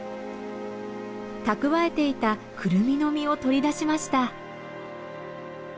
蓄えていたクルミの実を取り出しました。